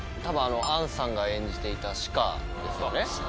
杏さんが演じていた紫夏ですよね。